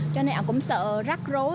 cho nên ông cũng sợ rắc rối